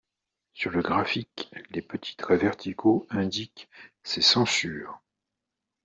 Sur le graphique, les petits traits verticaux indiquent ces censures.